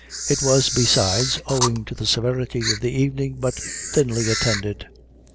It was, besides, owing to the severity of the evening, but thinly attended.